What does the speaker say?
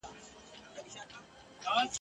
یوه ژاړي بلي خپل ګرېوان څیرلی !.